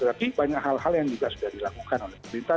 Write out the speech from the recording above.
tapi banyak hal hal yang juga sudah dilakukan oleh pemerintah